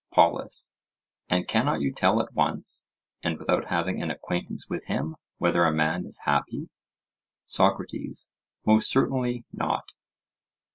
POLUS: And cannot you tell at once, and without having an acquaintance with him, whether a man is happy? SOCRATES: Most certainly not.